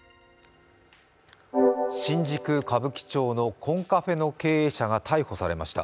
新宿・歌舞伎町のコンカフェの経営者が逮捕されました。